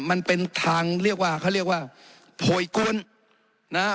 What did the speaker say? มันเป็นทางเรียกว่าเขาเรียกว่าโพยกวนนะฮะ